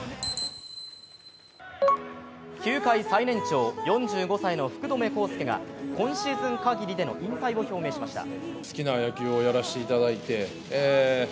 球界最年長４５歳の福留孝介が今シーズン限りでの引退を表明しました。